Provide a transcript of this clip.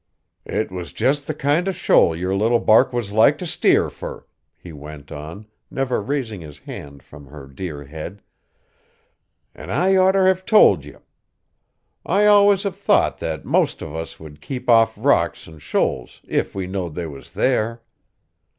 "It was just the kind of shoal yer little bark was like t' steer fur," he went on, never raising his hand from her dear head, "an' I oughter have told ye. I allus have thought that most of us would keep off rocks an' shoals if we knowed they was there.